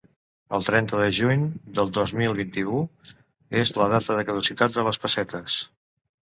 El trenta de juny del dos mil vint-i-u és la data de caducitat de les pessetes.